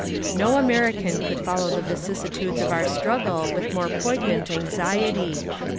No American could follow the vicissitudes of our struggle with more poignant anxiety.